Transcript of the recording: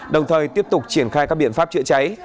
đồng thời tiếp tục triển khai các biện pháp chữa cháy